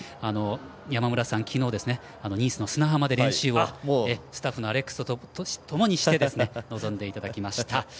山村さんは、昨日ニースの砂浜で練習をスタッフのアレックスとともに臨んでいただきました。